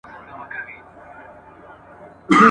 نه غوټۍ سته نه ګلاب یې دی ملګری د خوښیو !.